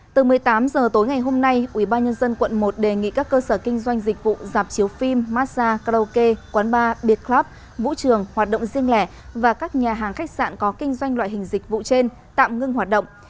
từ một mươi tám h tối ngày hôm nay ủy ban nhân dân quận một đề nghị các cơ sở kinh doanh dịch vụ giảm chiếu phim massage karaoke quán bar beer club vũ trường hoạt động riêng lẻ và các nhà hàng khách sạn có kinh doanh loại hình dịch vụ trên tạm ngưng hoạt động